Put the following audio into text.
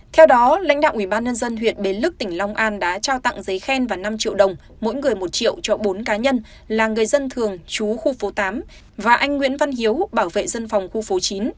theo đó lãnh đạo ubnd huyện bến lức tỉnh long an đã trao tặng giấy khen và năm triệu đồng mỗi người một triệu cho bốn cá nhân là người dân thường chú khu phố tám và anh nguyễn văn hiếu bảo vệ dân phòng khu phố chín